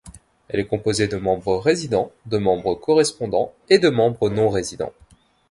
Elle est composée de membres résidents, de membres correspondants et de membres non-résidents.